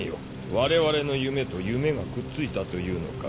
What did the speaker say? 我々の夢と夢がくっついたというのか。